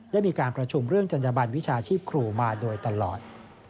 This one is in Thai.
ได้มีการประชุมเรื่องจัญญบันวิชาชีพครูมาโดยตลอด